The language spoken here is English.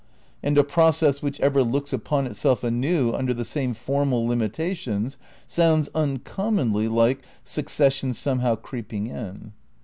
And a "process which ever looks upon itself anew under the same formal limitations '' sounds uncommonly like succession somehow "creeping in."